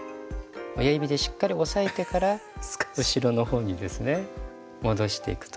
親指でしっかり押さえてから後ろの方にですね戻していくと。